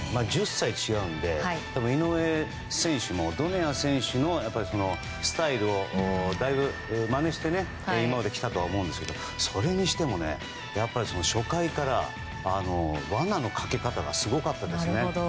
１０歳違うので井上選手もドネア選手のスタイルをだいぶまねして今まで来たと思うんですがそれにしても初回から、わなのかけ方がすごかったですね。